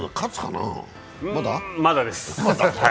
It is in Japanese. まだです。